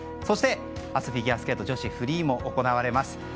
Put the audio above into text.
そして明日フィギュアスケート女子フリーも行われます。